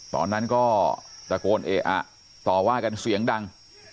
ตอนนั้นก็ตะโกนเอะอะต่อว่ากันเสียงดัง